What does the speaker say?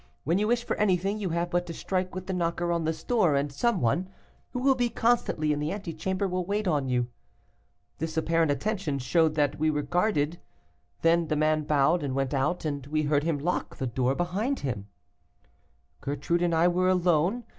When you wish for anything, you have but to strike with the knocker on this door, and some one, who will be constantly in the antechamber, will wait on you.' This apparent attention showed that we were guarded. Then the man bowed and went out, and we heard him lock the door behind him. "Gertrude and I were alone.